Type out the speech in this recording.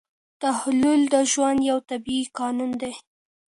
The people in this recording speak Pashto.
تحول د ژوند یو طبیعي قانون دی.